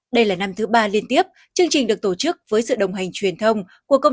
đây là năm thứ ba liên tiếp chương trình được tổ chức với sự đồng hành truyền thông của công